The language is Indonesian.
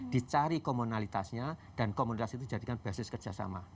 dicari komunalitasnya dan komunitas itu dijadikan basis kerjasama